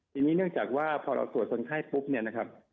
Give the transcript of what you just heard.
ทีนี้เนื่องจากว่าพอเราตรวจส่วนไข้ปุ๊บ